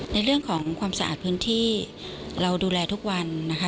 ในเรื่องของความสะอาดพื้นที่เราดูแลทุกวันนะคะ